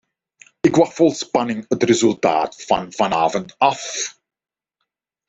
Ik wacht vol spanning het resultaat van vanavond af!